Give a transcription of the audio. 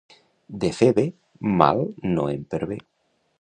De fer bé, mal no en pervé.